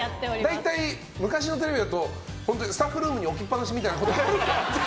大体、昔のテレビだとスタッフルームに置きっぱなしみたいなこともあるけど。